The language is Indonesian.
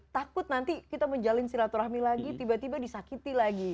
takut nanti kita menjalin silaturahmi lagi tiba tiba disakiti lagi